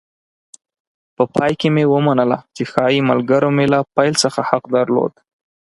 په پای کې مې ومنله چې ښایي ملګرو مې له پیل څخه حق درلود.